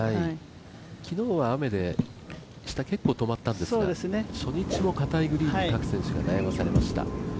昨日は雨で下、結構止まったんですが初日もかたいグリーンに各選手が悩まされました。